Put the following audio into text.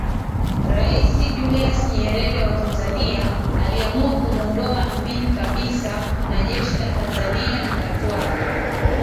Rais Julius Nyerere wa Tanzania aliamua kumwondoa Amin kabisa na jeshi la Tanzania likatwaa